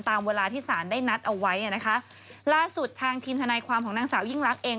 ตามเวลาที่ศาลได้นัดเอาไว้อ่ะนะคะล่าสุดทางทีมทนายความของนางสาวยิ่งลักษณ์เอง